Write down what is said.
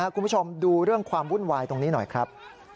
คุณผู้ชมดูเรื่องความวุ่นวายตรงนี้หน่อยครับ